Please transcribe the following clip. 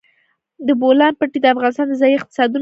د بولان پټي د افغانستان د ځایي اقتصادونو بنسټ دی.